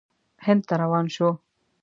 هند ته روان شو.